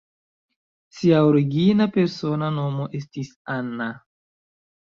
Ŝia origina persona nomo estis "Anna".